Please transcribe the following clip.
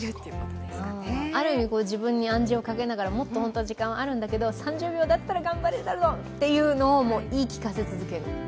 ある意味自分に暗示をかけながら本当はもっと時間はあるけど３０秒だったら頑張れるだろうというのを言い聞かせ続ける。